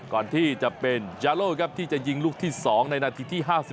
ก่อนที่จะเป็นยาโล่ครับที่จะยิงลูกที่๒ในนาทีที่๕๓